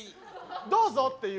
どうぞっていう。